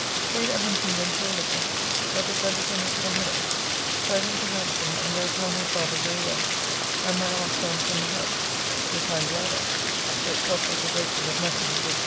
Staid at Huntingdon for a little, but the judges are not come hither: so I went to Brampton, and there found my father very well, and my aunt gone from the house, which I am glad of, though it costs us a great deal of money, viz.